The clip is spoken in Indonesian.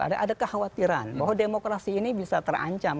ada kekhawatiran bahwa demokrasi ini bisa terancam